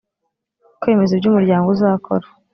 kwemeza ibyo umuryango uzakora